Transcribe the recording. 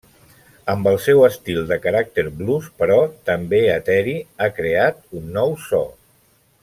Amb el seu estil de caràcter blues però també eteri ha creat un nou so.